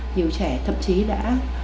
nhiều trẻ thậm chí đã